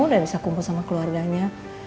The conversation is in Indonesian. dan bisa kumpul sama keluarganya